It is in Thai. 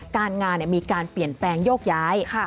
การงานมีการเปลี่ยนแปลงโยกย้าย